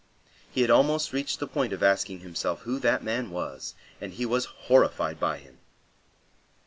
He had almost reached the point of asking himself who that man was, and he was horrified by him.